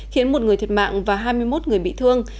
khiến một người thiệt mạng và hai mươi một người bị thương